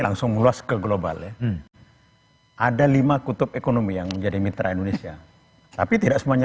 langsung meluas ke global ya ada lima kutub ekonomi yang menjadi mitra indonesia tapi tidak semuanya